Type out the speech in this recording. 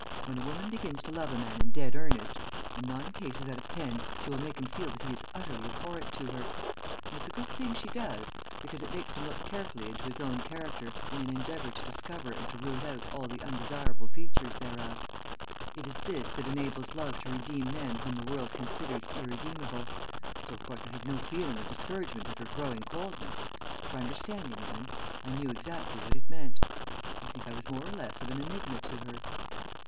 When a woman begins to love a man in dead earnest, in nine cases out of ten she will make him feel that he is utterly abhorrent to her, and it's a good thing she does, because it makes him look carefully into his own character in an endeavour to discover and to root out all the undesirable features thereof. It is this that enables love to redeem men whom the world considers irredeemable, so, of course, I had no feeling of discouragement at her growing coldness, for, understanding women, I knew exactly what it meant. I think I was more or less of an enigma to her."